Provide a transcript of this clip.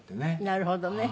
なるほどね。